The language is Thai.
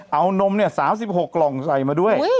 เอานม๓๖กล่องใส่มาด้วย